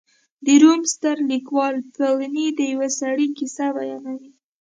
د روم ستر لیکوال پیلني د یوه سړي کیسه بیانوي